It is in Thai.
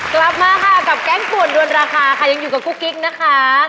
กลับมาค่ะกับแก๊งป่วนด้วนราคาค่ะยังอยู่กับกุ๊กกิ๊กนะคะ